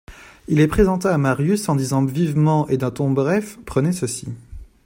Il les présenta à Marius en disant vivement et d'un ton bref : Prenez ceci.